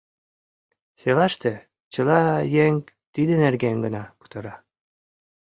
— Селаште чыла еҥ тиде нерген гына кутыра.